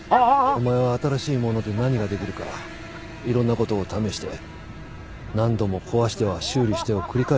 お前は新しいもので何ができるかいろんなことを試して何度も壊しては修理してを繰り返してたな。